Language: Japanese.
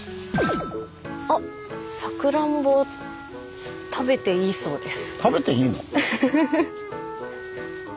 あっサクランボ食べていいそうです。